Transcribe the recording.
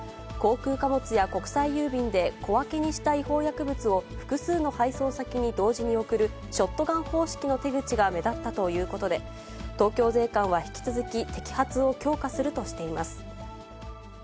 航空貨物や国際郵便で小分けにした違法薬物を複数の配送先に同時に送る、ショットガン方式の手口が目立ったということで、東京税関は引き続き、摘発を強化するとしています。